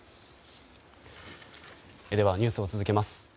ニュースを続けます。